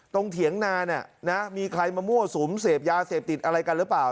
เถียงนานมีใครมามั่วสุมเสพยาเสพติดอะไรกันหรือเปล่า